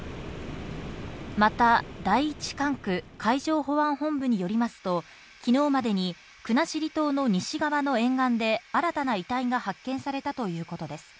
また第一管区海上保安本部によりますと、昨日までに国後島の西側の沿岸で新たな遺体が発見されたということです。